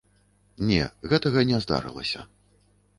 Не, гэтага не здарылася.